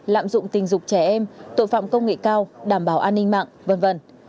lạm dụng tình dục trẻ em tội phạm công nghệ cao đảm bảo an ninh mạng v v